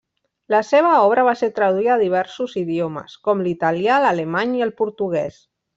La seva obra va ser traduïda a diversos idiomes, com l'italià, l'alemany i el portuguès.